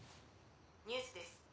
ニュースです。